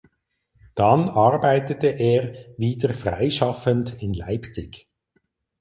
Dann arbeitete er wieder freischaffend in Leipzig.